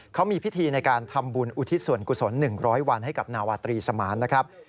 เขามีพิธีในการทำบุญอุทิศส่วนกุศล๑๐๐วันให้กับนาวาตรีสมานนะครับ